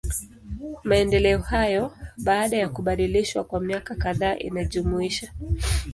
Maendeleo hayo, baada ya kubadilishwa kwa miaka kadhaa inajumuisha.